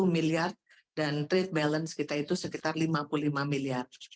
tiga puluh miliar dan trade balance kita itu sekitar lima puluh lima miliar